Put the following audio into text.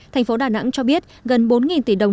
thành phố đà nẵng cho biết gần bốn tỷ đồng